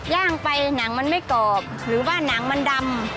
ย่างไปหนังมันไม่กรอบหรือว่าหนังมันดำ